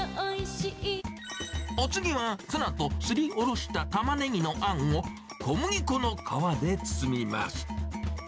お次はツナとすりおろしたタマネギのあんを、小麦粉の皮で包みます。